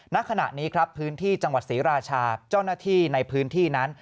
ณขณะนี้ครับพื้นที่จังหวัดศรีราชาเจ้าหน้าที่ในพื้นที่นั้น